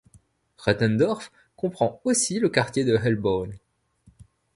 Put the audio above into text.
Renthendorf comprend aussi le quartier de Hellborn.